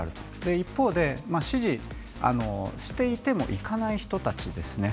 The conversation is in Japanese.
一方で支持していても行かない人たちですね。